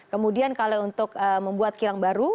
kemudian kalau untuk membuat kilang baru